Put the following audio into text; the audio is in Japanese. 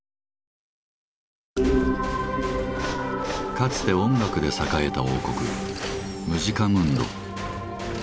かつて音楽で栄えた王国「ムジカムンド」。